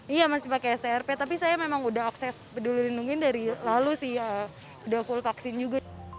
iya masih pakai strp tapi saya memang udah akses peduli lindungi dari lalu sih udah full vaksin juga